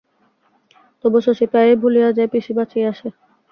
তবু শশী প্রায়ই ভুলিযা যায় পিসি বাঁচিয়া আছে।